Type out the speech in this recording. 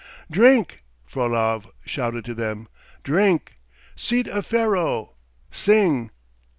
"Drink!" Frolov shouted to them. "Drink! Seed of Pharaoh! Sing!